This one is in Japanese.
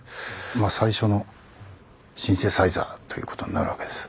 まあ最初のシンセサイザーということになるわけです。